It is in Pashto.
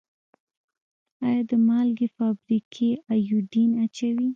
آیا د مالګې فابریکې ایوډین اچوي؟